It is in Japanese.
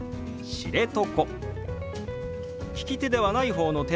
「知床」。